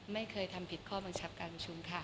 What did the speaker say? ไม่เคยทำผิดข้อบังคับการประชุมค่ะ